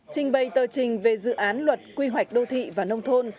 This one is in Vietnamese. trình bày tờ trình về dự án luật quy hoạch đô thị và nông thôn